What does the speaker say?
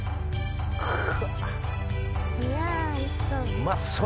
うまそう！